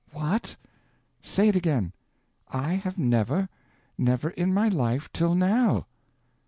"What? Say it again!" "I have never—never in my life till now."